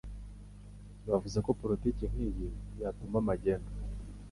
Bavuze ko politiki nkiyi yatuma magendu.